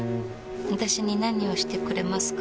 私に何をしてくれますか？